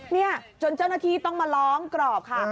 นี่จนเจ้าหน้าที่ต้องมาล้อมกรอบค่ะ